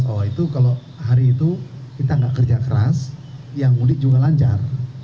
oh itu kalau hari itu kita nggak kerja keras yang mudik juga lancar